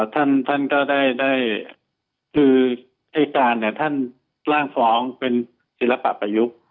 ท่านท่านก็ได้ได้คืออายการเนี้ยท่านล่างฟ้องเป็นศิลปะประยุกต์